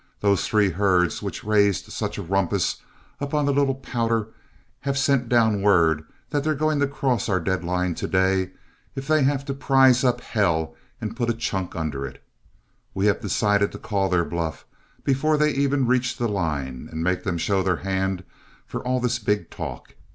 Those three herds which raised such a rumpus up on Little Powder have sent down word that they're going to cross our dead line to day if they have to prize up hell and put a chunk under it. We have decided to call their bluff before they even reach the line, and make them show their hand for all this big talk.